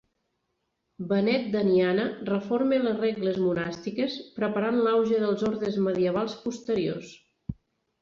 Benet d'Aniana reforma les regles monàstiques, preparant l'auge dels ordes medievals posteriors.